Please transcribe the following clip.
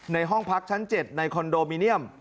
ห้องพักชั้น๗ในคอนโดมิเนียม